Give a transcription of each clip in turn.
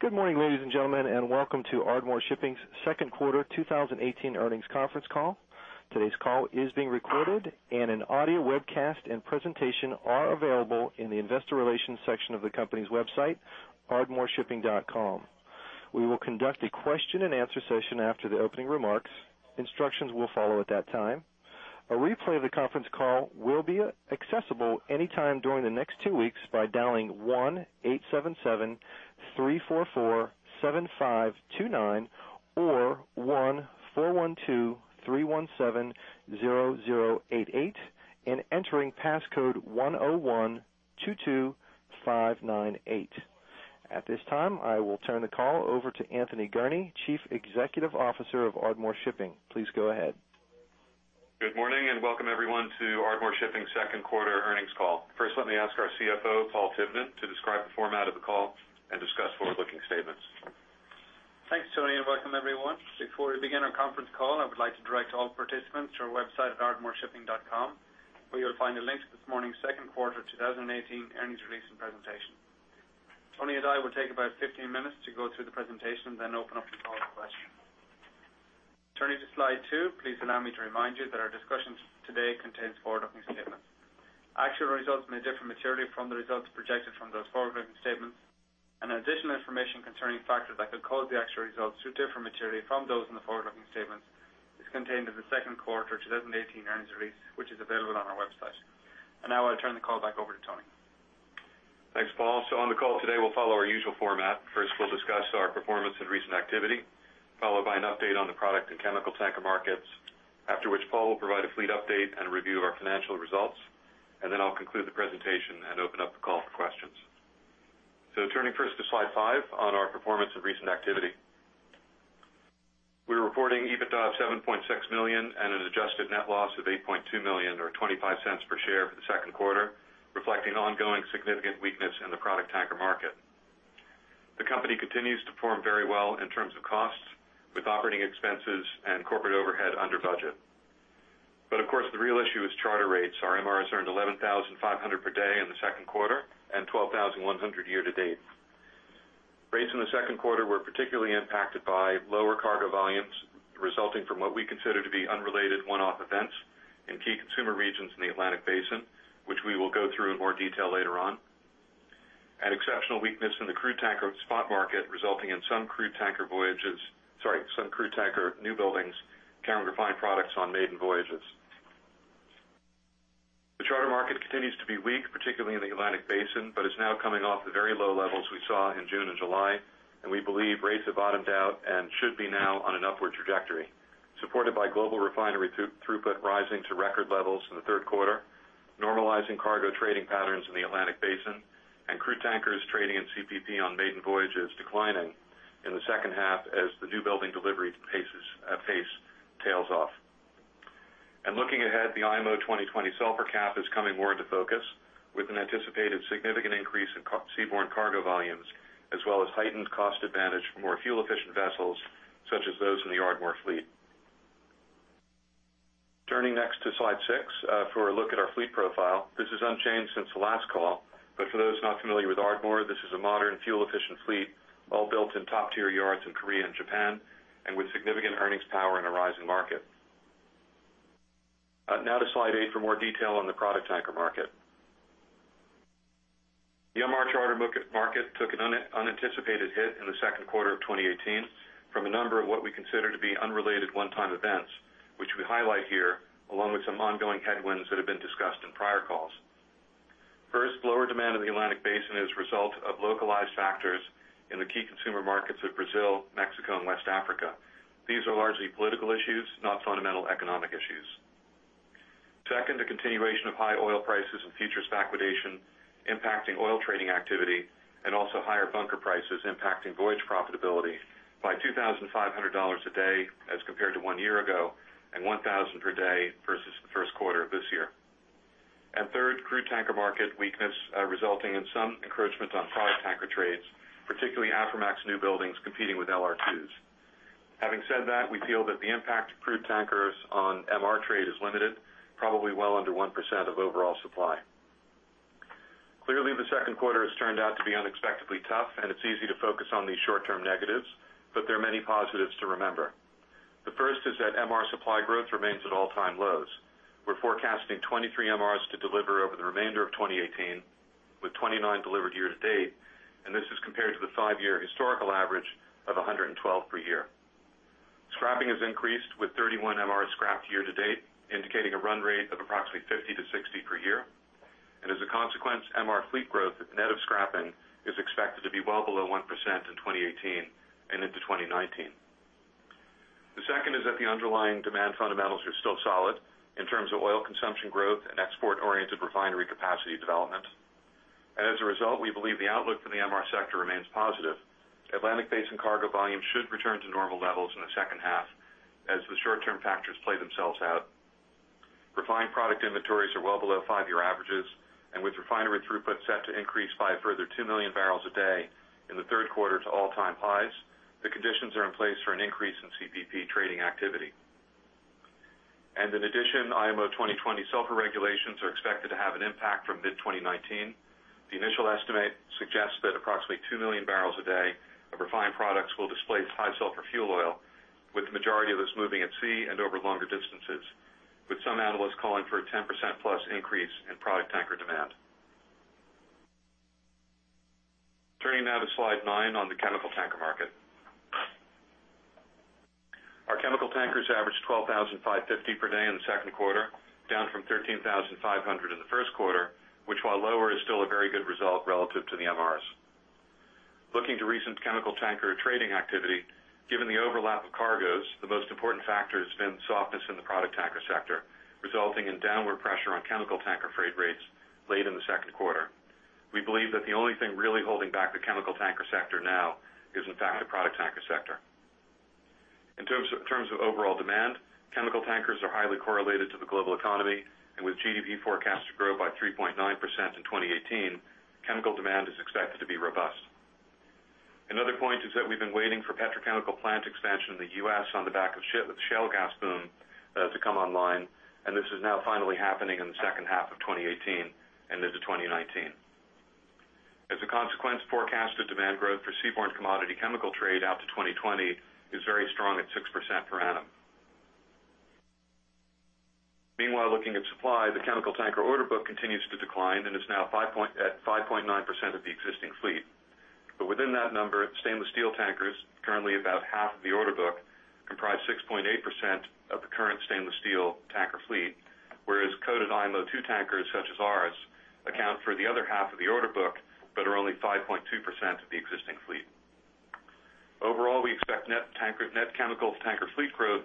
Good morning, ladies and gentlemen, and welcome to Ardmore Shipping's Second Quarter 2018 Earnings Conference Call. Today's call is being recorded, and an audio webcast and presentation are available in the investor relations section of the company's website, ardmoreshipping.com. We will conduct a question-and-answer session after the opening remarks. Instructions will follow at that time. A replay of the conference call will be accessible anytime during the next two weeks by dialing 1-877-344-7529 or 1-412-317-0088, and entering passcode 10122598. At this time, I will turn the call over to Anthony Gurnee, Chief Executive Officer of Ardmore Shipping. Please go ahead. Good morning, and welcome everyone to Ardmore Shipping's Second Quarter Earnings Call. First, let me ask our CFO, Paul Tivnan, to describe the format of the call and discuss forward-looking statements. Thanks, Tony, and welcome, everyone. Before we begin our conference call, I would like to direct all participants to our website at ardmoreshipping.com, where you'll find a link to this morning's second quarter 2018 earnings release and presentation. Tony and I will take about 15 minutes to go through the presentation, then open up the call for questions. Turning to slide 2, please allow me to remind you that our discussions today contains forward-looking statements. Actual results may differ materially from the results projected from those forward-looking statements, and additional information concerning factors that could cause the actual results to differ materially from those in the forward-looking statements is contained in the second quarter 2018 earnings release, which is available on our website. Now I'll turn the call back over to Tony. Thanks, Paul. So on the call today, we'll follow our usual format. First, we'll discuss our performance and recent activity, followed by an update on the product and chemical tanker markets. After which, Paul will provide a fleet update and review of our financial results, and then I'll conclude the presentation and open up the call for questions. So turning first to slide 5 on our performance and recent activity. We're reporting EBITDA of $7.6 million and an adjusted net loss of $8.2 million, or $0.25 per share for the second quarter, reflecting ongoing significant weakness in the product tanker market. The company continues to perform very well in terms of costs, with operating expenses and corporate overhead under budget. But of course, the real issue is charter rates. Our MRs earned $11,500 per day in the second quarter and $12,100 year to date. Rates in the second quarter were particularly impacted by lower cargo volumes, resulting from what we consider to be unrelated one-off events in key consumer regions in the Atlantic Basin, which we will go through in more detail later on. Exceptional weakness in the crude tanker spot market, resulting in some crude tanker voyages... Sorry, some crude tanker newbuildings carrying refined products on maiden voyages. The charter market continues to be weak, particularly in the Atlantic Basin, but is now coming off the very low levels we saw in June and July, and we believe rates have bottomed out and should be now on an upward trajectory, supported by global refinery throughput rising to record levels in the third quarter, normalizing cargo trading patterns in the Atlantic Basin, and crude tankers trading in CPP on maiden voyages declining in the second half as the newbuilding delivery pace tails off. Looking ahead, the IMO 2020 sulfur cap is coming more into focus, with an anticipated significant increase in seaborne cargo volumes, as well as heightened cost advantage for more fuel-efficient vessels, such as those in the Ardmore fleet. Turning next to slide 6, for a look at our fleet profile. This is unchanged since the last call, but for those not familiar with Ardmore, this is a modern, fuel-efficient fleet, all built in top-tier yards in Korea and Japan, and with significant earnings power in a rising market. Now to slide 8 for more detail on the product tanker market. The MR charter market took an unanticipated hit in the second quarter of 2018 from a number of what we consider to be unrelated one-time events, which we highlight here, along with some ongoing headwinds that have been discussed in prior calls. First, lower demand in the Atlantic Basin is a result of localized factors in the key consumer markets of Brazil, Mexico, and West Africa. These are largely political issues, not fundamental economic issues. Second, the continuation of high oil prices and futures backwardation impacting oil trading activity, and also higher bunker prices impacting voyage profitability by $2,500 a day as compared to one year ago, and $1,000 per day versus the first quarter of this year. And third, crude tanker market weakness, resulting in some encroachment on product tanker trades, particularly Aframax newbuildings competing with LR2s. Having said that, we feel that the impact of crude tankers on MR trade is limited, probably well under 1% of overall supply. Clearly, the second quarter has turned out to be unexpectedly tough, and it's easy to focus on these short-term negatives, but there are many positives to remember. The first is that MR supply growth remains at all-time lows. We're forecasting 23 MRs to deliver over the remainder of 2018, with 29 delivered year to date, and this is compared to the 5-year historical average of 112 per year. Scrapping has increased, with 31 MRs scrapped year to date, indicating a run rate of approximately 50-60 per year. As a consequence, MR fleet growth, net of scrapping, is expected to be well below 1% in 2018 and into 2019. The second is that the underlying demand fundamentals are still solid in terms of oil consumption growth and export-oriented refinery capacity development. As a result, we believe the outlook for the MR sector remains positive. Atlantic Basin cargo volumes should return to normal levels in the second half as the short-term factors play themselves out. Refined product inventories are well below five-year averages, and with refinery throughput set to increase by a further 2 million barrels a day in the third quarter to all-time highs, CPP trading activity. In addition, IMO 2020 sulfur regulations are expected to have an impact from mid-2019. The initial estimate suggests that approximately 2 million barrels a day of refined products will displace high sulfur fuel oil, with the majority of this moving at sea and over longer distances, with some analysts calling for a 10%+ increase in product tanker demand. Turning now to slide 9 on the chemical tanker market. Our chemical tankers averaged $12,550 per day in the second quarter, down from $13,500 in the first quarter, which while lower, is still a very good result relative to the MRs. Looking to recent chemical tanker trading activity, given the overlap of cargoes, the most important factor has been softness in the product tanker sector, resulting in downward pressure on chemical tanker freight rates late in the second quarter. We believe that the only thing really holding back the chemical tanker sector now is, in fact, the product tanker sector. In terms of overall demand, chemical tankers are highly correlated to the global economy, and with GDP forecast to grow by 3.9% in 2018, chemical demand is expected to be robust. Another point is that we've been waiting for petrochemical plant expansion in the U.S. on the back of the shale gas boom to come online, and this is now finally happening in the second half of 2018 and into 2019. As a consequence, forecasted demand growth for seaborne commodity chemical trade out to 2020 is very strong at 6% per annum. Meanwhile, looking at supply, the chemical tanker order book continues to decline and is now at 5.9% of the existing fleet. But within that number, stainless steel tankers, currently about half of the order book, comprise 6.8% of the current stainless steel tanker fleet, whereas coated IMO 2 tankers, such as ours, account for the other half of the order book, but are only 5.2% of the existing fleet. Overall, we expect net chemical tanker fleet growth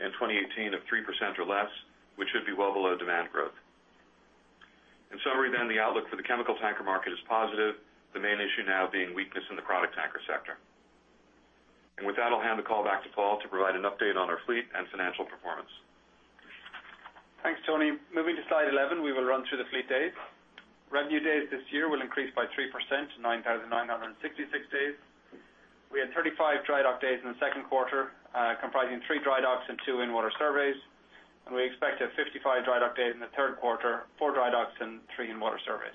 in 2018 of 3% or less, which should be well below demand growth. In summary then, the outlook for the chemical tanker market is positive, the main issue now being weakness in the product tanker sector. With that, I'll hand the call back to Paul to provide an update on our fleet and financial performance. Thanks, Tony. Moving to slide 11, we will run through the fleet days. Revenue days this year will increase by 3% to 9,966 days. We had 35 dry dock days in the second quarter, comprising 3 dry docks and 2 in-water surveys, and we expect 55 dry dock days in the third quarter, 4 dry docks and 3 in-water surveys.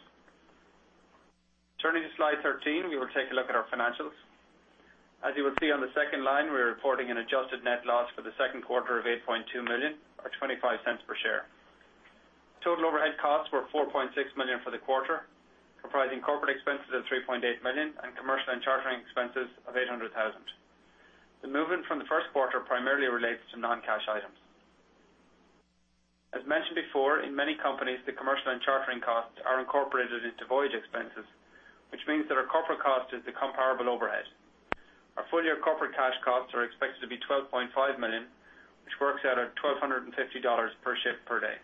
Turning to slide 13, we will take a look at our financials. As you will see on the second line, we are reporting an adjusted net loss for the second quarter of $8.2 million or $0.25 per share. Total overhead costs were $4.6 million for the quarter, comprising corporate expenses of $3.8 million and commercial and chartering expenses of $800,000. The movement from the first quarter primarily relates to non-cash items. As mentioned before, in many companies, the commercial and chartering costs are incorporated into voyage expenses, which means that our corporate cost is the comparable overhead. Our full-year corporate cash costs are expected to be $12.5 million, which works out at $1,250 per ship per day.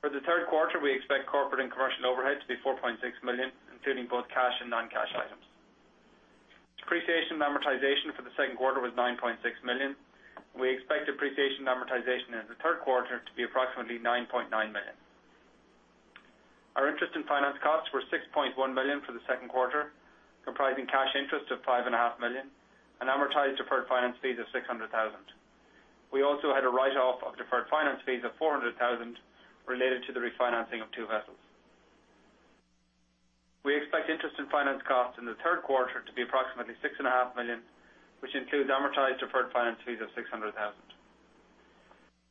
For the third quarter, we expect corporate and commercial overhead to be $4.6 million, including both cash and non-cash items. Depreciation and amortization for the second quarter was $9.6 million. We expect depreciation and amortization in the third quarter to be approximately $9.9 million. Our interest and finance costs were $6.1 million for the second quarter, comprising cash interest of $5.5 million and amortized deferred finance fees of $600,000. We also had a write-off of deferred finance fees of $400,000 related to the refinancing of two vessels. We expect interest and finance costs in the third quarter to be approximately $6.5 million, which includes amortized deferred finance fees of $600,000.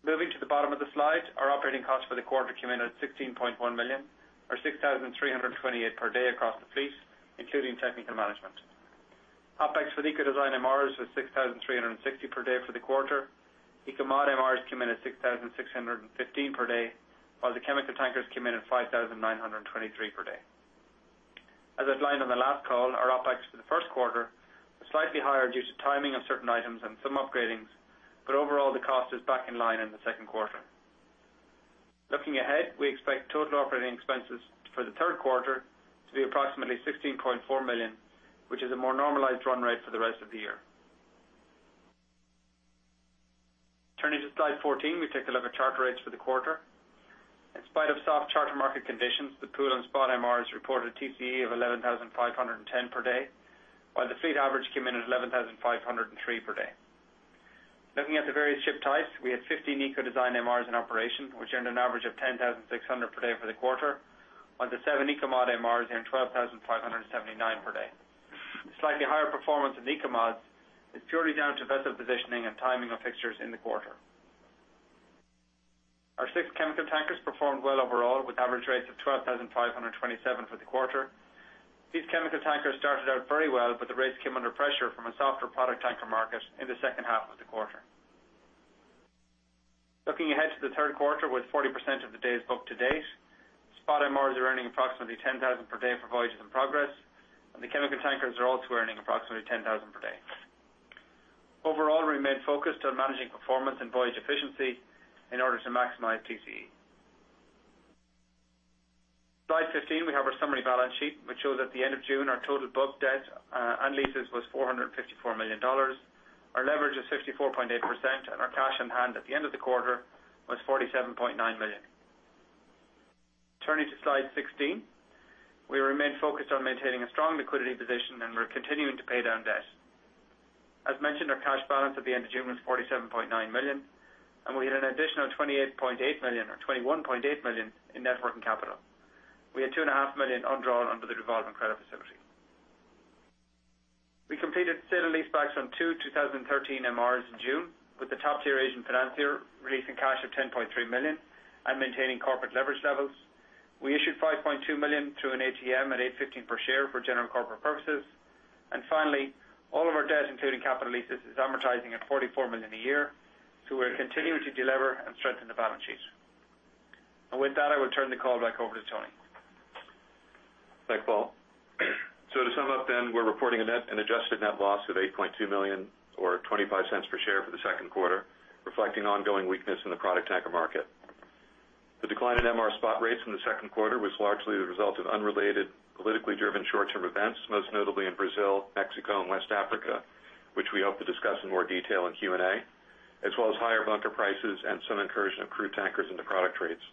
Moving to the bottom of the slide, our operating costs for the quarter came in at $16.1 million, or $6,328 per day across the fleet, including technical management. OPEX for the Eco-design MRs was $6,360 per day for the quarter. Eco-mod MRs came in at $6,615 per day, while the chemical tankers came in at $5,923 per day. As outlined on the last call, our OpEx for the first quarter was slightly higher due to timing of certain items and some upgrades, but overall, the cost is back in line in the second quarter. Looking ahead, we expect total operating expenses for the third quarter to be approximately $16.4 million, which is a more normalized run rate for the rest of the year. Turning to slide 14, we take a look at charter rates for the quarter. In spite of soft charter market conditions, the pool and spot MRs reported TCE of $11,500 per day, while the fleet average came in at $11,503 per day. Looking at the various ship types, we had 15 Eco-design MRs in operation, which earned an average of $10,600 per day for the quarter, while the seven Eco-mod MRs earned $12,579 per day. Slightly higher performance in Eco-mods is purely down to vessel positioning and timing of fixtures in the quarter. Our six chemical tankers performed well overall, with average rates of $12,527 for the quarter. These chemical tankers started out very well, but the rates came under pressure from a softer product tanker market in the second half of the quarter. Looking ahead to the third quarter, with 40% of the days booked to date, spot MRs are earning approximately $10,000 per day for voyages in progress, and the chemical tankers are also earning approximately $10,000 per day. Overall, we remain focused on managing performance and voyage efficiency in order to maximize TCE. Slide 15, we have our summary balance sheet, which shows at the end of June, our total book debt, and leases was $454 million. Our leverage is 54.8%, and our cash on hand at the end of the quarter was $47.9 million.... Turning to slide 16, we remain focused on maintaining a strong liquidity position, and we're continuing to pay down debt. As mentioned, our cash balance at the end of June was $47.9 million, and we had an additional $28.8 million or $21.8 million in net working capital. We had $2.5 million undrawn under the revolving credit facility. We completed sale and leasebacks on two 2013 MRs in June, with the top-tier Asian financier releasing cash of $10.3 million and maintaining corporate leverage levels. We issued $5.2 million through an ATM at $8.15 per share for general corporate purposes. And finally, all of our debt, including capital leases, is amortizing at $44 million a year, so we're continuing to delever and strengthen the balance sheet. And with that, I will turn the call back over to Tony. Thanks, Paul. So to sum up, then, we're reporting an adjusted net loss of $8.2 million, or $0.25 per share for the second quarter, reflecting ongoing weakness in the product tanker market. The decline in MR spot rates in the second quarter was largely the result of unrelated, politically driven, short-term events, most notably in Brazil, Mexico, and West Africa, which we hope to discuss in more detail in Q&A, as well as higher bunker prices and some incursion of crude tankers into product rates.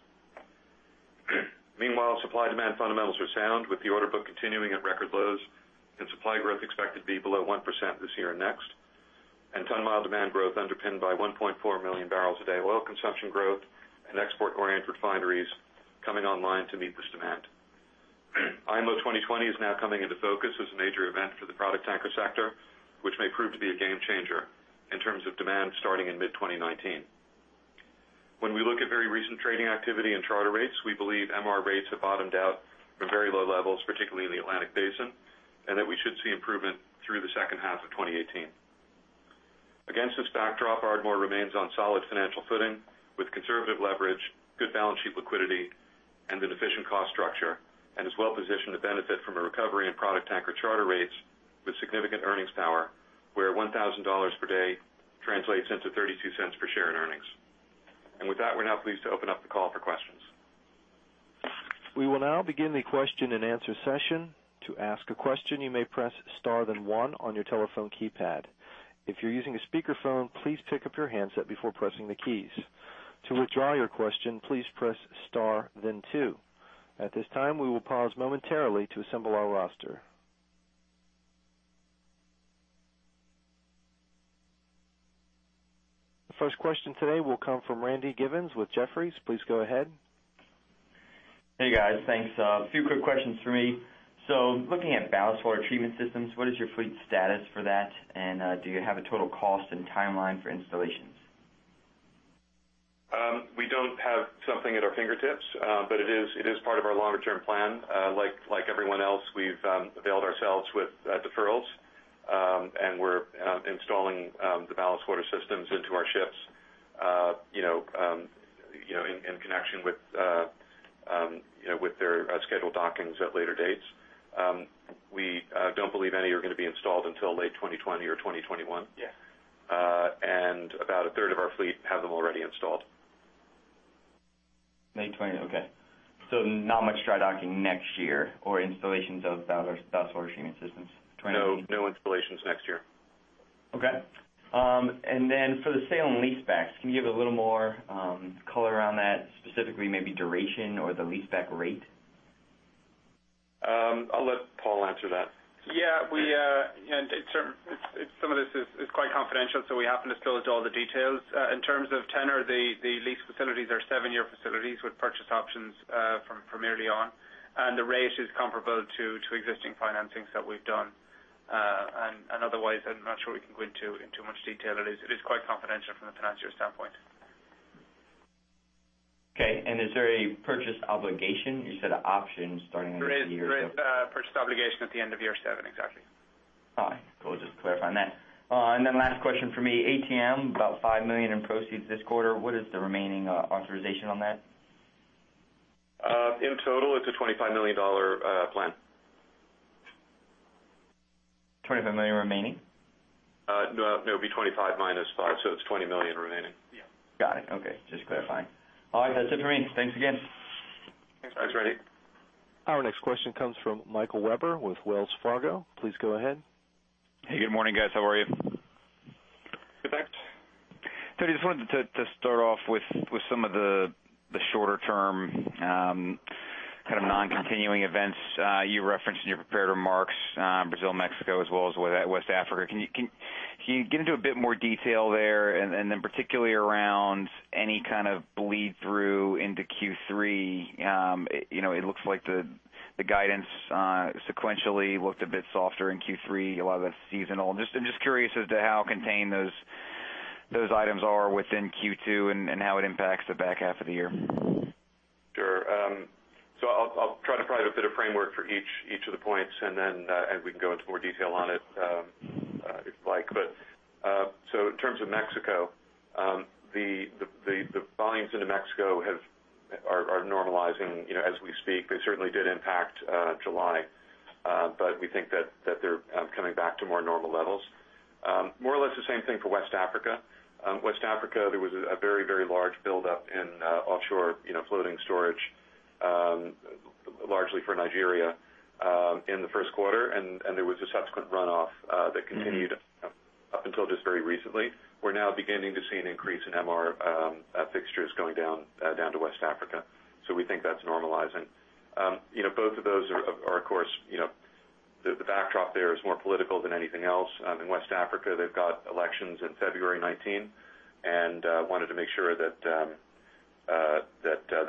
Meanwhile, supply-demand fundamentals are sound, with the order book continuing at record lows and supply growth expected to be below 1% this year and next, and ton mile demand growth underpinned by 1.4 million barrels a day, oil consumption growth and export-oriented refineries coming online to meet this demand. IMO 2020 is now coming into focus as a major event for the product tanker sector, which may prove to be a game changer in terms of demand starting in mid-2019. When we look at very recent trading activity and charter rates, we believe MR rates have bottomed out from very low levels, particularly in the Atlantic basin, and that we should see improvement through the second half of 2018. Against this backdrop, Ardmore remains on solid financial footing with conservative leverage, good balance sheet liquidity, and an efficient cost structure, and is well positioned to benefit from a recovery in product tanker charter rates with significant earnings power, where $1,000 per day translates into $0.32 per share in earnings. And with that, we're now pleased to open up the call for questions. We will now begin the question-and-answer session. To ask a question, you may press star, then one on your telephone keypad. If you're using a speakerphone, please pick up your handset before pressing the keys. To withdraw your question, please press star, then two. At this time, we will pause momentarily to assemble our roster. The first question today will come from Randy Giveans with Jefferies. Please go ahead. Hey, guys, thanks. A few quick questions for me. So looking at ballast water treatment systems, what is your fleet status for that? And, do you have a total cost and timeline for installations? We don't have something at our fingertips, but it is, it is part of our longer-term plan. Like, like everyone else, we've availed ourselves with deferrals, and we're installing the ballast water systems into our ships, you know, you know, in, in connection with, you know, with their scheduled dockings at later dates. We don't believe any are going to be installed until late 2020 or 2021. Yeah. And about a third of our fleet have them already installed. Okay, so not much dry docking next year or installations of ballast water treatment systems, 2019? No, no installations next year. Okay. And then for the sale and leasebacks, can you give a little more color around that, specifically, maybe duration or the leaseback rate? I'll let Paul answer that. Yeah, we, and in terms, it's, some of this is quite confidential, so we haven't disclosed all the details. In terms of tenor, the lease facilities are 7-year facilities with purchase options, from early on, and the rate is comparable to existing financings that we've done. And otherwise, I'm not sure we can go into too much detail. It is quite confidential from a financial standpoint. Okay. Is there a purchase obligation? You said an option starting in the year. There is, there is a purchase obligation at the end of year seven. Exactly. All right. Cool, just clarifying that. And then last question for me, ATM, about $5 million in proceeds this quarter. What is the remaining authorization on that? In total, it's a $25 million plan. $25 million remaining? No, it would be 25 minus 5, so it's $20 million remaining. Yeah. Got it. Okay. Just clarifying. All right. That's it for me. Thanks again. Thanks, Randy. Our next question comes from Michael Webber with Wells Fargo. Please go ahead. Hey, good morning, guys. How are you? Good, thanks. Tony, just wanted to start off with some of the shorter term kind of non-continuing events you referenced in your prepared remarks, Brazil, Mexico, as well as West Africa. Can you get into a bit more detail there? And then particularly around any kind of bleed-through into Q3? You know, it looks like the guidance sequentially looked a bit softer in Q3, a lot of it's seasonal. Just, I'm just curious as to how contained those items are within Q2 and how it impacts the back half of the year. Sure. So I'll try to provide a bit of framework for each of the points, and then we can go into more detail on it, if you'd like. But so in terms of Mexico, the volumes into Mexico are normalizing, you know, as we speak. They certainly did impact July, but we think that they're coming back to more normal levels. More or less the same thing for West Africa. West Africa, there was a very large buildup in offshore, you know, floating storage largely for Nigeria in the first quarter, and there was a subsequent runoff that continued- up until just very recently. We're now beginning to see an increase in MR fixtures going down to West Africa, so we think that's normalizing. You know, both of those are, of course, you know, the backdrop there is more political than anything else. In West Africa, they've got elections in February 2019, and wanted to make sure that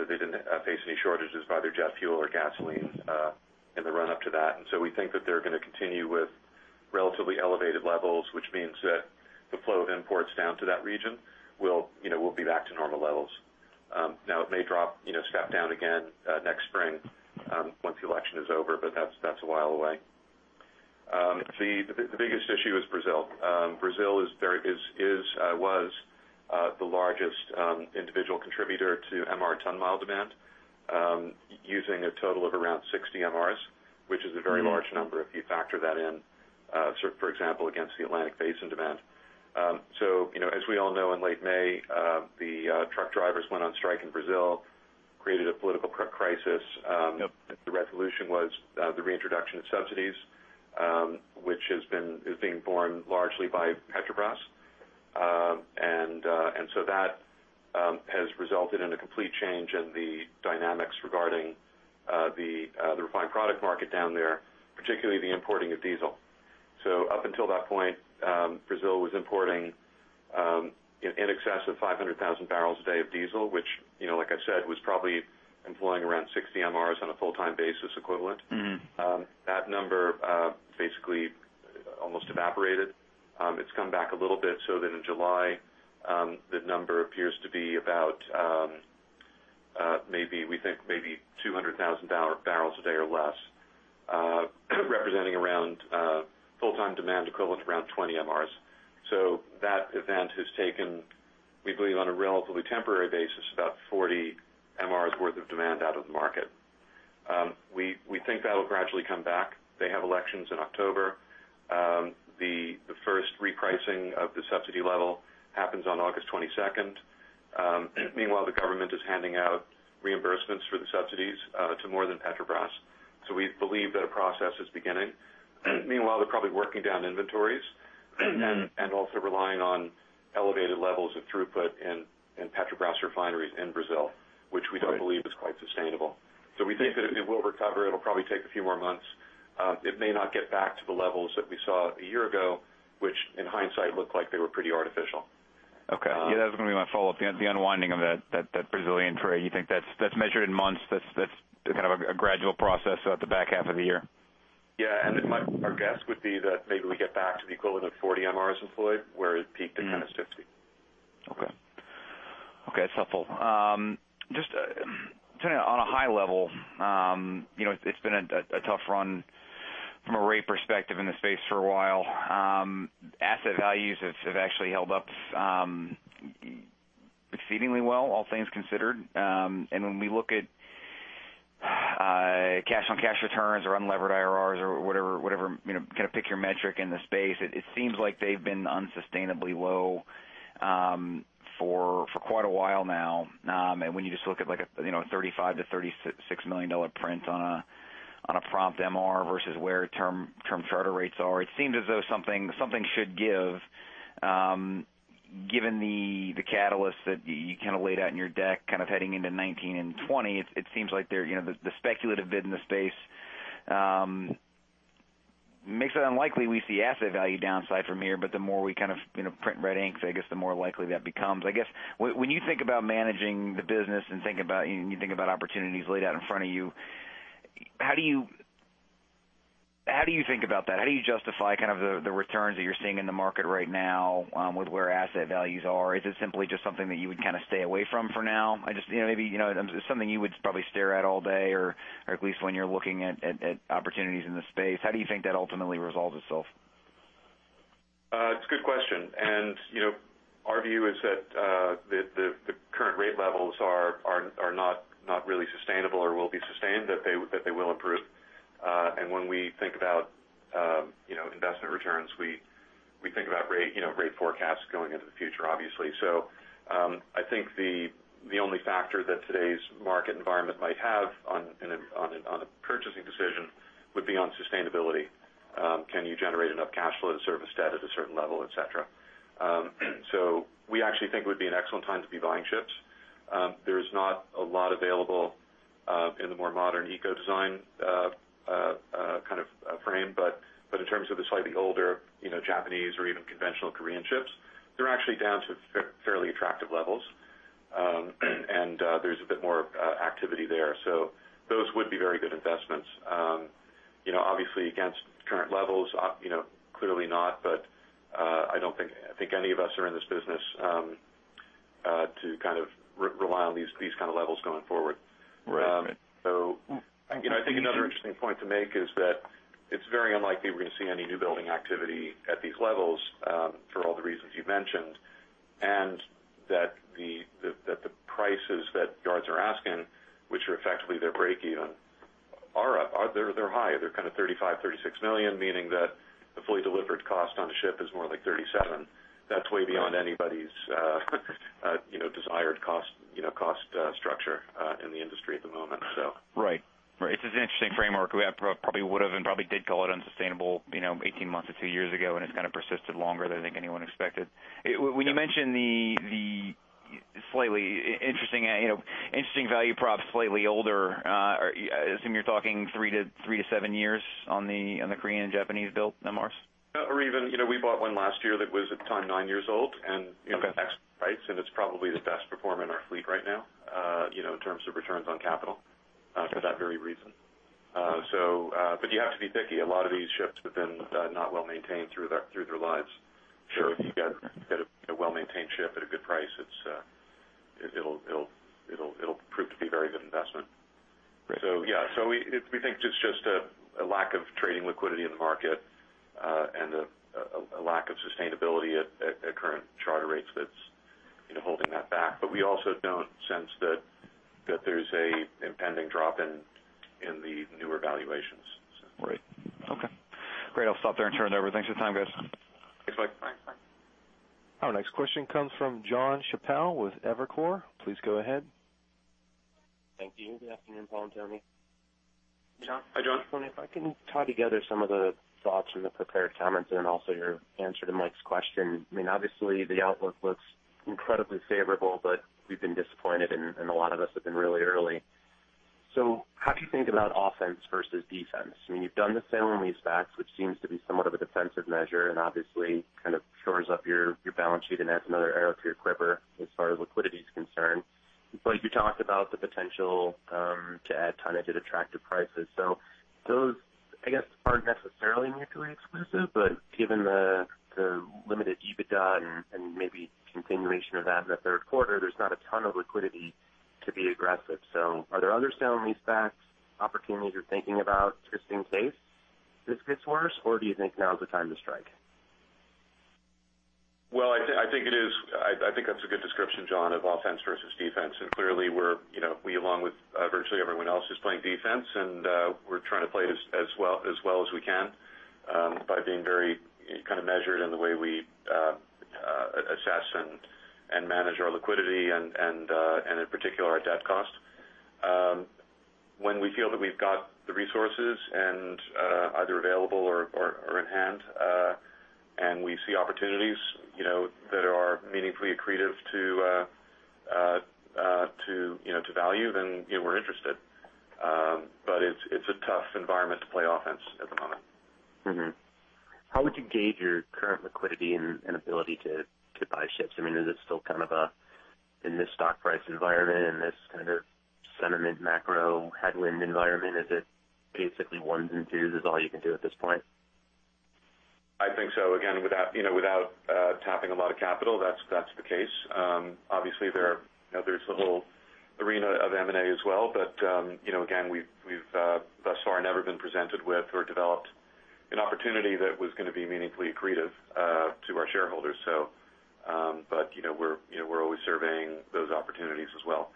they didn't face any shortages of either jet fuel or gasoline- in the run-up to that. And so we think that they're gonna continue with relatively elevated levels, which means that the flow of imports down to that region will, you know, will be back to normal levels. Now, it may drop, you know, snap down again next spring, once the election is over, but that's, that's a while away. The, the biggest issue is Brazil. Brazil is very-- is, is was, the largest individual contributor to MR ton-mile demand, using a total of around 60 MRs, which is a very- large number if you factor that in, so for example, against the Atlantic Basin demand. So, you know, as we all know, in late May, the truck drivers went on strike in Brazil, created a political crisis. Yep. The resolution was the reintroduction of subsidies, which is being borne largely by Petrobras. And so that has resulted in a complete change in the dynamics regarding the refined product market down there, particularly the importing of diesel. So up until that point, Brazil was importing in excess of 500,000 barrels a day of diesel, which, you know, like I said, was probably employing around 60 MRs on a full-time basis equivalent. That number basically almost evaporated. It's come back a little bit so that in July, the number appears to be about, maybe, we think maybe 200,000 barrels a day or less, representing around, full-time demand equivalent to around 20 MRs. So that event has taken, we believe, on a relatively temporary basis, about 40 MRs worth of demand out of the market. We think that'll gradually come back. They have elections in October. The first repricing of the subsidy level happens on August twenty-second. Meanwhile, the government is handing out reimbursements for the subsidies to more than Petrobras, so we believe that a process is beginning. Meanwhile, they're probably working down inventories. And also relying on elevated levels of throughput in Petrobras refineries in Brazil, which we don't- Right... believe is quite sustainable. So we think that it will recover. It'll probably take a few more months. It may not get back to the levels that we saw a year ago, which in hindsight, looked like they were pretty artificial. Okay. Yeah, that was gonna be my follow-up. The unwinding of that Brazilian trade, you think that's kind of a gradual process throughout the back half of the year? Yeah, and it might, our guess would be that maybe we get back to the equivalent of 40 MRs employed, where it peaked at kind of 50. Okay. Okay, that's helpful. Just kind of on a high level, you know, it's been a tough run from a rate perspective in the space for a while. Asset values have actually held up exceedingly well, all things considered. And when we look at cash-on-cash returns or unlevered IRRs or whatever, you know, kind of pick your metric in the space, it seems like they've been unsustainably low for quite a while now. And when you just look at, like a, you know, $35 million-$36 million print on a prompt MR versus where term charter rates are, it seems as though something should give. Given the catalyst that you kind of laid out in your deck, kind of heading into 2019 and 2020, it seems like there, you know, the speculative bid in the space makes it unlikely we see asset value downside from here, but the more we kind of, you know, print red ink, I guess the more likely that becomes. I guess, when you think about managing the business and think about, you know, you think about opportunities laid out in front of you, how do you... how do you think about that? How do you justify kind of the returns that you're seeing in the market right now with where asset values are? Is it simply just something that you would kind of stay away from for now? I just, you know, maybe, you know, something you would probably stare at all day, or at least when you're looking at opportunities in the space, how do you think that ultimately resolves itself? It's a good question, and you know, our view is that the current rate levels are not really sustainable or will be sustained, that they will improve. And when we think about you know, investment returns, we think about rate you know, rate forecasts going into the future, obviously. So, I think the only factor that today's market environment might have on a purchasing decision would be on sustainability. Can you generate enough cash flow to service debt at a certain level, et cetera? So we actually think it would be an excellent time to be buying ships. There's not a lot available in the more modern eco-design kind of frame, but in terms of the slightly older, you know, Japanese or even conventional Korean ships, they're actually down to fairly attractive levels. And there's a bit more activity there, so those would be very good investments. You know, obviously, against current levels, you know, clearly not, but I don't think, I think any of us are in this business to kind of rely on these kind of levels going forward. Right. So, you know, I think another interesting point to make is that it's very unlikely we're gonna see any new building activity at these levels, for all the reasons you mentioned, and that the prices that yards are asking, which are effectively their breakeven, are up. They're high. They're kind of $35 million-$36 million, meaning that the fully delivered cost on a ship is more like $37 million. That's way beyond anybody's, you know, desired cost structure, you know, in the industry at the moment, so. Right. Right. It's an interesting framework. We probably would have and probably did call it unsustainable, you know, 18 months or 2 years ago, and it's kind of persisted longer than I think anyone expected. When you mention the slightly interesting, you know, interesting value props, slightly older, I assume you're talking 3-7 years on the Korean and Japanese build MRs? Or even, you know, we bought one last year that was, at the time, nine years old, and, you know- Okay. Excellent price, and it's probably the best performer in our fleet right now, you know, in terms of returns on capital, for that very reason. So, but you have to be picky. A lot of these ships have been, not well maintained through their lives. Sure. If you get a well-maintained ship at a good price, it'll prove to be a very good investment. Great. So, yeah, we think it's just a lack of trading liquidity in the market, and a lack of sustainability at current charter rates that's, you know, holding that back. But we also don't sense that there's an impending drop in the newer valuations, so. Right. Okay. Great. I'll stop there and turn it over. Thanks for your time, guys. Thanks, Mike. Our next question comes from John Chappell with Evercore. Please go ahead. Thank you. Good afternoon, Paul and Tony. John. Hi, John. If I can tie together some of the thoughts from the prepared comments and also your answer to Mike's question. I mean, obviously, the outlook looks incredibly favorable, but we've been disappointed, and a lot of us have been really early. So how do you think about offense versus defense? I mean, you've done the sale and lease backs, which seems to be somewhat of a defensive measure and obviously kind of shores up your balance sheet and adds another arrow to your quiver as far as liquidity is concerned. But you talked about the potential to add tonnage at attractive prices. So those, I guess, aren't necessarily mutually exclusive, but given the limited EBITDA and maybe continuation of that in the third quarter, there's not a ton of liquidity to be aggressive. Are there other sale and leasebacks opportunities you're thinking about just in case this gets worse, or do you think now is the time to strike? Well, I think it is. I think that's a good description, John, of offense versus defense. And clearly, we're, you know, along with virtually everyone else, playing defense, and we're trying to play as well as we can by being very kind of measured in the way we assess and manage our liquidity and in particular, our debt cost. When we feel that we've got the resources and either available or in hand and we see opportunities, you know, that are meaningfully accretive to value, then, you know, we're interested. But it's a tough environment to play offense at the moment. How would you gauge your current liquidity and ability to buy ships? I mean, is it still kind of a, in this stock price environment, in this kind of sentiment, macro headwind environment, is it basically ones and twos is all you can do at this point? I think so. Again, without, you know, without tapping a lot of capital, that's the case. Obviously, there, you know, there's the whole arena of M&A as well, but, you know, again, we've thus far never been presented with or developed an opportunity that was going to be meaningfully accretive to our shareholders. So, but, you know, we're, you know, we're always surveying those opportunities as well.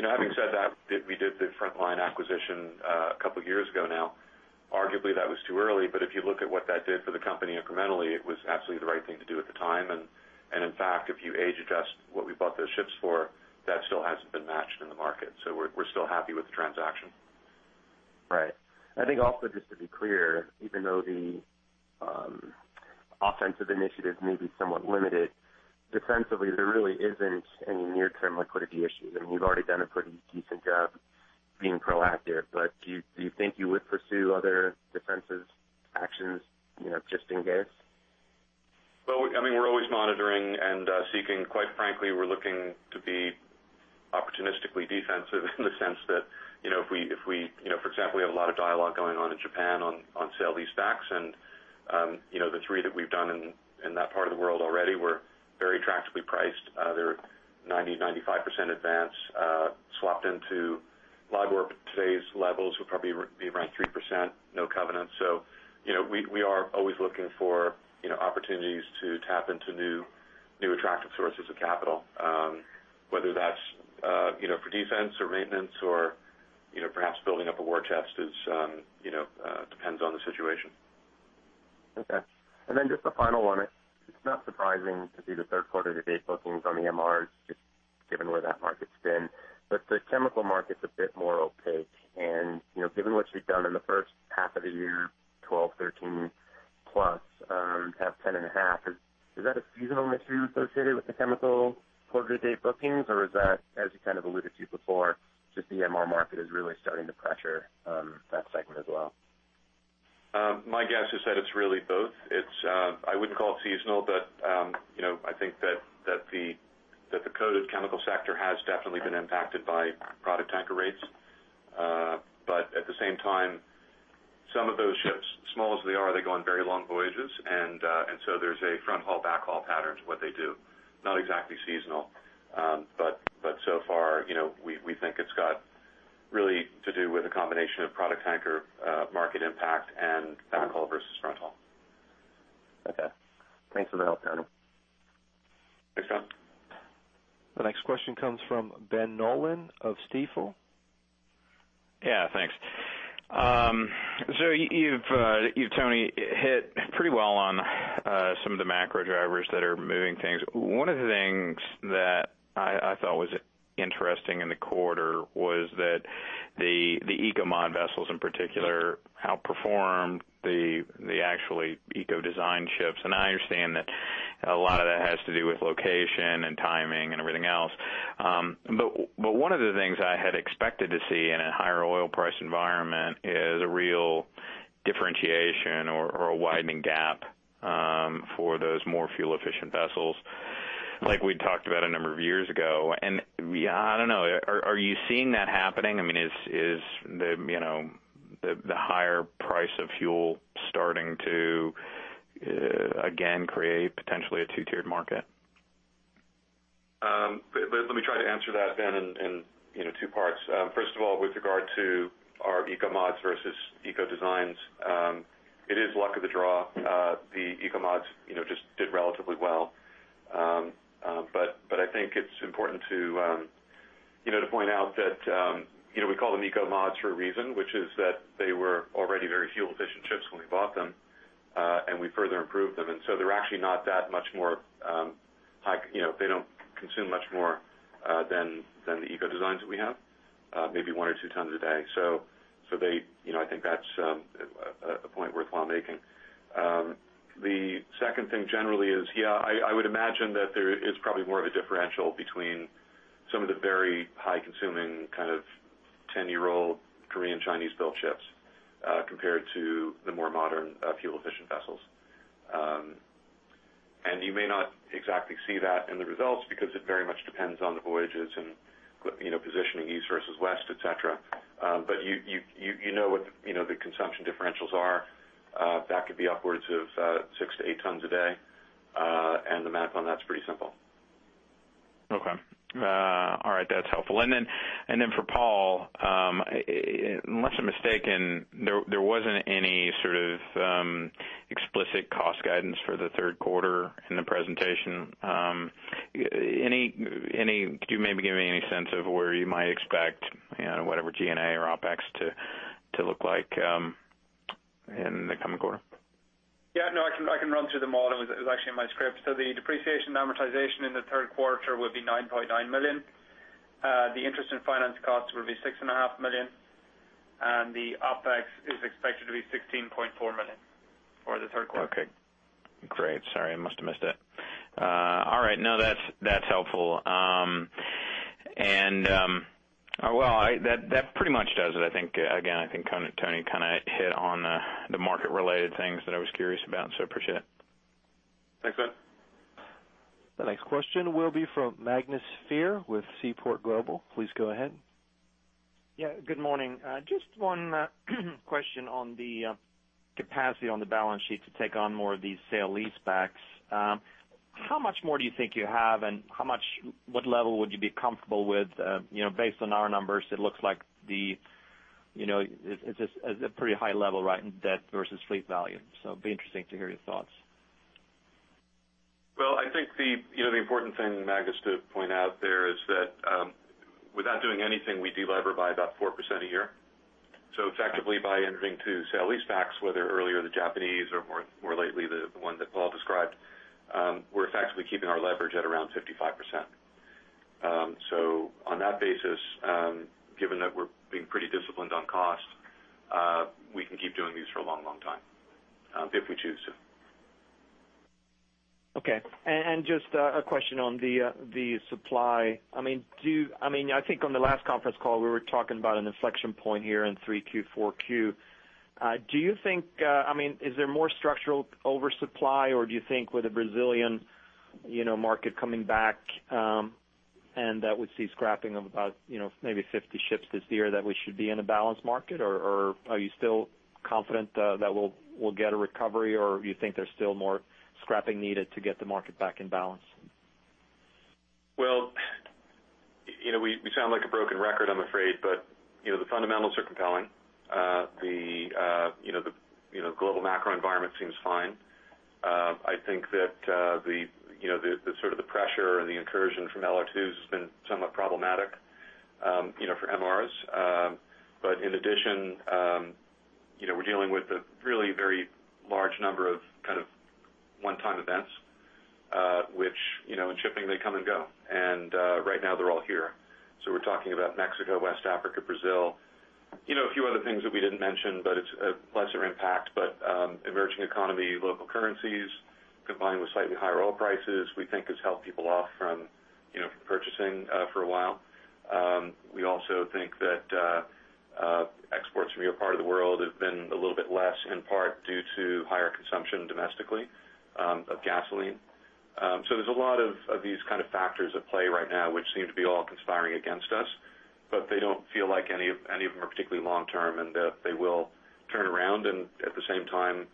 You know, having said that, we did the Frontline acquisition a couple of years ago now. Arguably, that was too early, but if you look at what that did for the company incrementally, it was absolutely the right thing to do at the time. And in fact, if you age adjust what we bought those ships for, that still hasn't been matched in the market, so we're still happy with the transaction. Right. I think also, just to be clear, even though the offensive initiatives may be somewhat limited, defensively, there really isn't any near-term liquidity issues, and you've already done a pretty decent job being proactive. But do you, do you think you would pursue other defensive actions, you know, just in case? Well, I mean, we're always monitoring and seeking. Quite frankly, we're looking to be opportunistically defensive in the sense that, you know, if we—you know, for example, we have a lot of dialogue going on in Japan on sale-leasebacks, and, you know, the three that we've done in that part of the world already were very attractively priced. They're 90%-95% advance, swapped into LIBOR. Today's levels will probably be around 3%, no covenant. So, you know, we are always looking for, you know, opportunities to tap into new attractive sources of capital, whether that's, you know, for defense or maintenance or, you know, perhaps building up a war chest is, you know, depends on the situation. Okay. And then just a final one. It's not surprising to see the third quarter-to-date bookings on the MR, just given where that market's been, but the chemical market's a bit more opaque. And, you know, given what you've done in the first half of the year, 12, 13+, have 10.5. Is that a seasonal issue associated with the chemical quarter-to-date bookings, or is that, as you kind of alluded to before, just the MR market is really starting to pressure that segment as well? My guess is that it's really both. It's, I wouldn't call it seasonal, but, you know, I think that the coated chemical sector has definitely been impacted by product tanker rates. But at the same time, some of those ships, small as they are, they go on very long voyages, and so there's a front haul, back haul pattern to what they do. Not exactly seasonal, but so far, you know, we think it's got really to do with a combination of product tanker market impact and back haul versus front haul. Okay. Thanks for the help, Tony. Thanks, John. The next question comes from Ben Nolan of Stifel. Yeah, thanks. So you've, you've Tony, hit pretty well on some of the macro drivers that are moving things. One of the things that I thought was interesting in the quarter was that the Eco-mod vessels, in particular, outperformed the actually Eco-design ships. And I understand that a lot of that has to do with location and timing and everything else. But one of the things I had expected to see in a higher oil price environment is a real differentiation or a widening gap for those more fuel-efficient vessels like we talked about a number of years ago. Yeah, I don't know, are you seeing that happening? I mean, is the you know the higher price of fuel starting to again create potentially a two-tiered market? Let me try to answer that then in, in, you know, two parts. First of all, with regard to our Eco-mods versus Eco-designs, it is luck of the draw. The Eco-mods, you know, just did relatively well. But I think it's important to, you know, to point out that, you know, we call them Eco-mods for a reason, which is that they were already very fuel-efficient ships when we bought them, and we further improved them. And so they're actually not that much more. You know, they don't consume much more than the Eco-designs that we have, maybe one or two tons a day. So they, you know, I think that's a point worthwhile making. The second thing generally is, yeah, I would imagine that there is probably more of a differential between some of the very high-consuming, kind of ten-year-old Korean, Chinese-built ships, compared to the more modern, fuel-efficient vessels. And you may not exactly see that in the results because it very much depends on the voyages and, you know, positioning east versus west, et cetera. But you know what, you know, the consumption differentials are, that could be upwards of, 6-8 tons a day, and the math on that's pretty simple. Okay. All right, that's helpful. And then for Paul, unless I'm mistaken, there wasn't any sort of explicit cost guidance for the third quarter in the presentation. Could you maybe give me any sense of where you might expect, you know, whatever G&A or OpEx to look like in the coming quarter? Yeah, no, I can, I can run through the model. It was, it was actually in my script. So the depreciation and amortization in the third quarter would be $9.9 million. The interest in finance costs will be $6.5 million, and the OpEx is expected to be $16.4 million for the third quarter. Okay, great. Sorry, I must have missed it. All right, no, that's, that's helpful. Well, I... That, that pretty much does it. I think, again, I think kind of Tony kind of hit on the, the market-related things that I was curious about, so appreciate it. Thanks, Ben. The next question will be from Magnus Fyhr with Seaport Global. Please go ahead. Yeah, good morning. Just one question on the capacity on the balance sheet to take on more of these sale-leasebacks. How much more do you think you have, and what level would you be comfortable with? You know, based on our numbers, it looks like the, you know, it's a, it's a pretty high level, right, in debt versus fleet value. So it'd be interesting to hear your thoughts. Well, I think the, you know, the important thing, Magnus, to point out there is that, without doing anything, we delever by about 4% a year. So effectively, by entering to sale-leasebacks, whether earlier the Japanese or more, more lately, the one that Paul described, we're effectively keeping our leverage at around 55%. So on that basis, given that we're being pretty disciplined on cost, we can keep doing these for a long, long time, if we choose to. Okay. And just a question on the supply. I mean, do you—I mean, I think on the last conference call, we were talking about an inflection point here in 3Q, 4Q. Do you think, I mean, is there more structural oversupply, or do you think with the Brazilian, you know, market coming back, and that we see scrapping of about, you know, maybe 50 ships this year, that we should be in a balanced market? Or are you still confident that we'll get a recovery, or you think there's still more scrapping needed to get the market back in balance? Well, you know, we sound like a broken record, I'm afraid, but, you know, the fundamentals are compelling. You know, the global macro environment seems fine. I think that the pressure and the incursion from LR2s has been somewhat problematic, you know, for MRs. But in addition, you know, we're dealing with a really very large number of kind of one-time events, which, you know, in shipping, they come and go, and right now they're all here. So we're talking about Mexico, West Africa, Brazil, you know, a few other things that we didn't mention, but it's a lesser impact. But emerging economy, local currencies, combined with slightly higher oil prices, we think has held people off from, you know, purchasing for a while. We also think that exports from your part of the world have been a little bit less, in part due to higher consumption domestically of gasoline. So there's a lot of these kind of factors at play right now, which seem to be all conspiring against us, but they don't feel like any of them are particularly long term, and that they will turn around, and at the same time,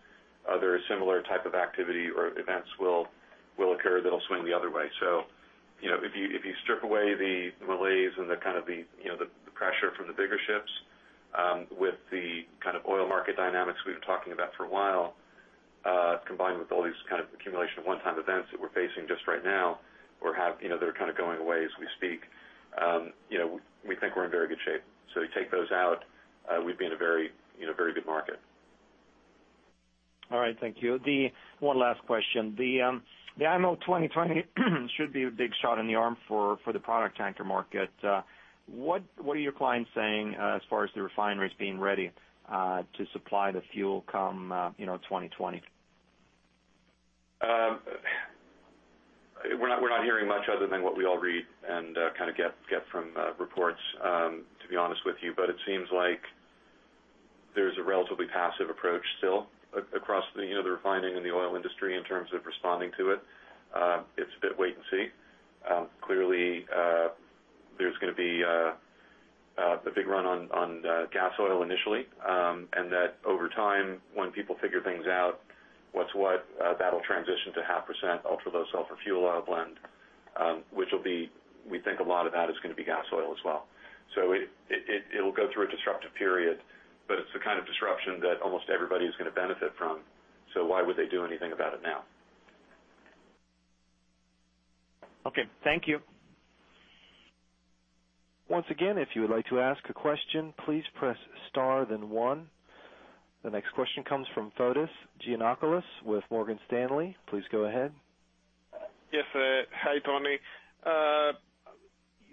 other similar type of activity or events will occur that'll swing the other way. So, you know, if you strip away the malaise and the kind of, you know, the pressure from the bigger ships, with the kind of oil market dynamics we've been talking about for a while,... Combined with all these kind of accumulation of one-time events that we're facing just right now, or have, you know, that are kind of going away as we speak, you know, we think we're in very good shape. So you take those out, we've been in a very, in a very good market. All right. Thank you. One last question. The IMO 2020 should be a big shot in the arm for the product tanker market. What are your clients saying as far as the refineries being ready to supply the fuel come, you know, 2020? We're not hearing much other than what we all read and kind of get from reports, to be honest with you. But it seems like there's a relatively passive approach still across the, you know, the refining and the oil industry in terms of responding to it. It's a bit wait and see. Clearly, there's gonna be a big run on gas oil initially. And that over time, when people figure things out, what's what, that'll transition to 0.5% ultra-low sulfur fuel oil blend, which will be... We think a lot of that is gonna be gas oil as well. So it'll go through a disruptive period, but it's the kind of disruption that almost everybody is gonna benefit from, so why would they do anything about it now? Okay, thank you. Once again, if you would like to ask a question, please press star then one. The next question comes from Fotis Giannakoulis with Morgan Stanley. Please go ahead. Yes, hi, Tony.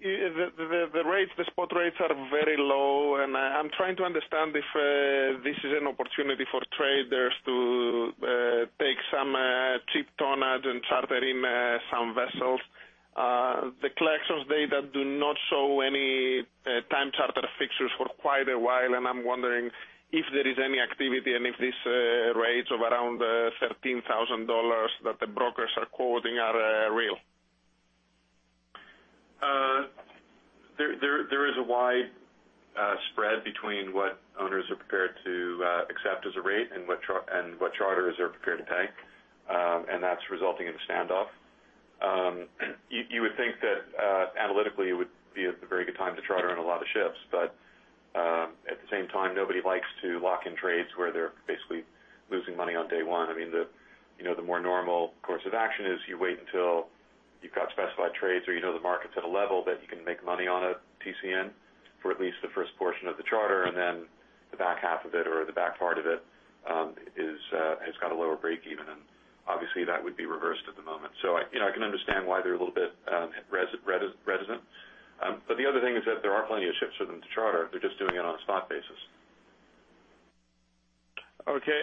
The rates, the spot rates are very low, and I'm trying to understand if this is an opportunity for traders to take some cheap tonnage and charter in some vessels. The Clarksons data do not show any time charter fixtures for quite a while, and I'm wondering if there is any activity and if this rates of around $13,000 that the brokers are quoting are real. There is a wide spread between what owners are prepared to accept as a rate and what charters are prepared to take. And that's resulting in a standoff. You would think that analytically it would be a very good time to charter in a lot of ships, but at the same time, nobody likes to lock in trades where they're basically losing money on day one. I mean, you know, the more normal course of action is you wait until you've got specified trades or you know the market's at a level that you can make money on a TCE, for at least the first portion of the charter, and then the back half of it or the back part of it, is, has got a lower break even, and obviously, that would be reversed at the moment. So I, you know, I can understand why they're a little bit, reticent. But the other thing is that there are plenty of ships for them to charter. They're just doing it on a spot basis. Okay,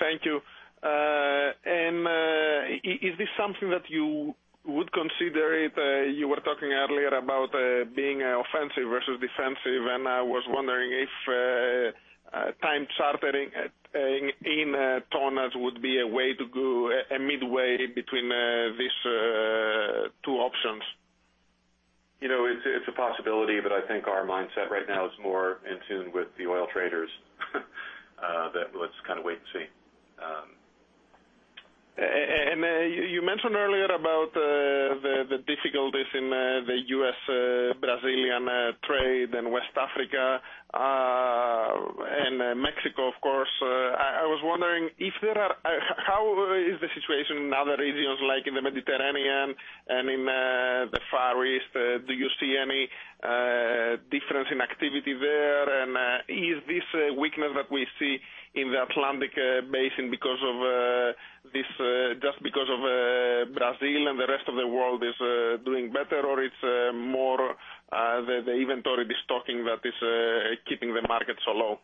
thank you. Is this something that you would consider it? You were talking earlier about being offensive versus defensive, and I was wondering if time chartering in tonnage would be a way to go, a midway between these two options? You know, it's a possibility, but I think our mindset right now is more in tune with the oil traders, that let's kind of wait and see. And you mentioned earlier about the difficulties in the U.S., Brazilian trade and West Africa, and Mexico, of course. I was wondering how is the situation in other regions, like in the Mediterranean and in the Far East? Do you see any difference in activity there? And is this weakness that we see in the Atlantic Basin because of this, just because of Brazil and the rest of the world is doing better, or it's more the inventory stocking that is keeping the market so low?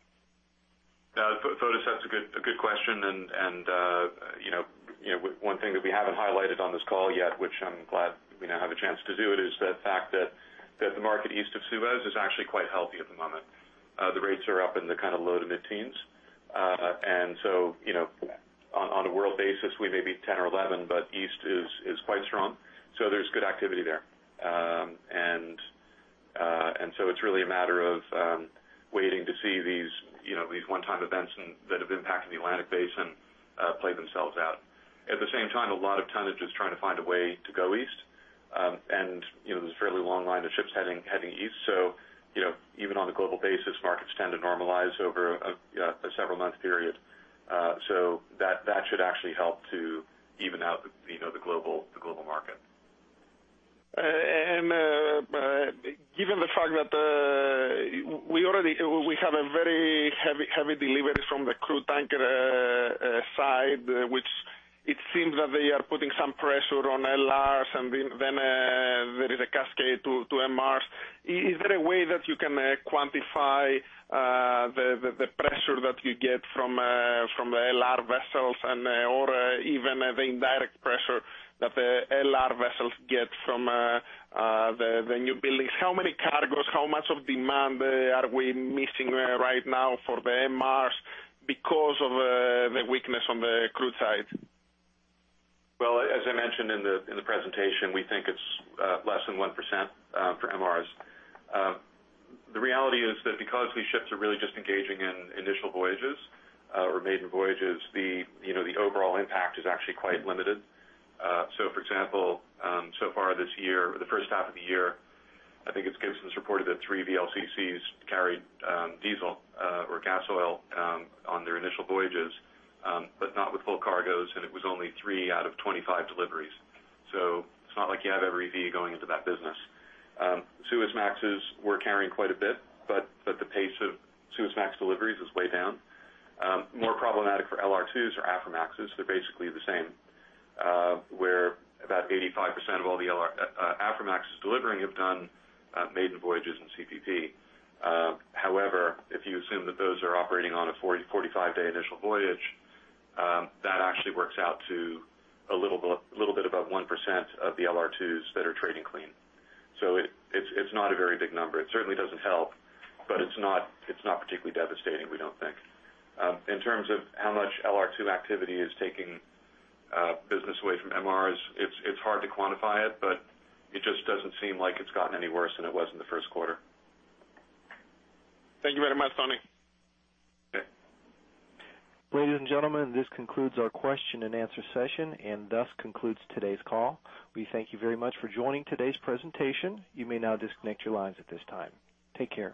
Fotis, that's a good question. You know, one thing that we haven't highlighted on this call yet, which I'm glad we now have a chance to do it, is the fact that the market east of Suez is actually quite healthy at the moment. The rates are up in the kind of low to mid-teens. And so, you know, on a world basis, we may be 10 or 11, but east is quite strong, so there's good activity there. And so it's really a matter of waiting to see these one-time events and that have impacted the Atlantic Basin, play themselves out. At the same time, a lot of tonnage is trying to find a way to go east. And, you know, there's a fairly long line of ships heading east. So, you know, even on a global basis, markets tend to normalize over a several-month period. So that should actually help to even out the, you know, the global market. And, given the fact that we already have a very heavy, heavy delivery from the crude tanker side, which it seems that they are putting some pressure on LR1s, and then there is a cascade to MRs. Is there a way that you can quantify the pressure that you get from the LR vessels and, or even the indirect pressure that the LR vessels get from the new buildings? How many cargos, how much of demand are we missing right now for the MRs because of the weakness on the crude side? Well, as I mentioned in the presentation, we think it's less than 1% for MRs. The reality is that because these ships are really just engaging in initial voyages or maiden voyages, you know, the overall impact is actually quite limited. So for example, so far this year, the first half of the year, I think it's Gibsons reported that three VLCCs carried diesel or gas oil on their initial voyages, but not with full cargoes, and it was only three out of 25 deliveries. So it's not like you have every V going into that business. Suezmaxes were carrying quite a bit, but the pace of Suezmax deliveries is way down. More problematic for LR2s or Aframaxes, they're basically the same, where about 85% of all the LR2 Aframaxes delivering have done maiden voyages in CPP. However, if you assume that those are operating on a 40-45-day initial voyage, that actually works out to a little bit above 1% of the LR2s that are trading clean. So it's not a very big number. It certainly doesn't help, but it's not particularly devastating, we don't think. In terms of how much LR2 activity is taking business away from MRs, it's hard to quantify it, but it just doesn't seem like it's gotten any worse than it was in the first quarter. Thank you very much, Tony. Okay. Ladies and gentlemen, this concludes our question and answer session, and thus concludes today's call. We thank you very much for joining today's presentation. You may now disconnect your lines at this time. Take care.